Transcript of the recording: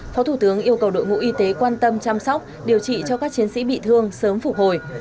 phó thủ tướng yêu cầu đội ngũ y tế quan tâm chăm sóc điều trị cho các chiến sĩ bị thương sớm phục hồi